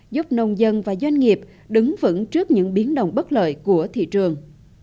giúp nông dân và doanh nghiệp đứng vững trước những biến động bất lợi của thị trường